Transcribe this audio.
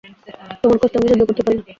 তোমার কষ্ট আমি সহ্য করতে পারি না।